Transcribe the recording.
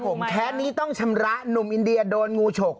ผมแค้นนี้ต้องชำระหนุ่มอินเดียโดนงูฉก